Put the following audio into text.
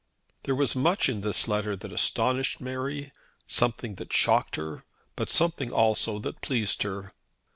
There was much in this letter that astonished Mary, something that shocked her, but something also that pleased her.